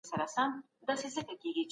تېرو تجربو ټولني ته ډېر مالي زيانونه واړول.